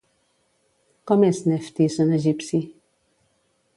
Com és Neftis en egipci?